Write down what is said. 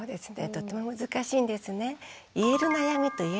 とっても難しいんですね。